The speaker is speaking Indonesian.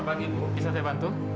selamat pagi bu bisa saya bantu